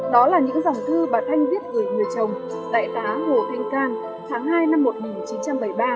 đó là những dòng thư bà thanh viết gửi người chồng đại tá hồ thanh can tháng hai năm một nghìn chín trăm bảy mươi ba